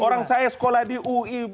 orang saya sekolah di ui